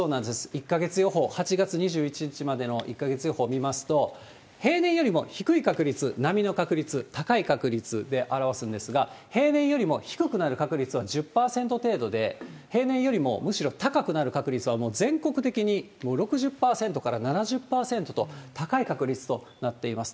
１か月予報、８月２１日までの１か月予報見ますと、平年よりも低い確率、並みの確率、高い確率で表すんですが、平年よりも低くなる確率は１０％程度で、平年よりもむしろ高くなる確率はもう全国的に、もう６０％から７０％と、高い確率となっています。